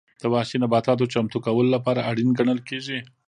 د وحشي نباتاتو چمتو کولو لپاره اړین ګڼل کېږي.